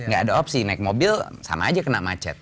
gak ada opsi naik mobil sama aja kena macet